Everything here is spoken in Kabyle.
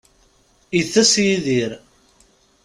Itess Yidir